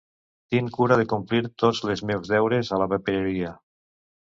Tin cura de complir tots les meus deures a la papereria.